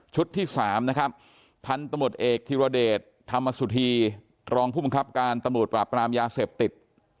ชุดที่สามพรรตมชเอกธิโรเดรตธรรมสุธีกรองผู้บังคับการตมชปรากฏรามยาเสพติด